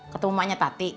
ketemu emaknya tati